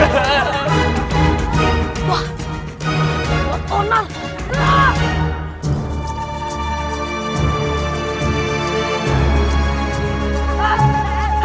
wah buat onar